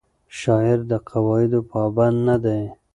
شاعر د قواعدو پابند نه دی.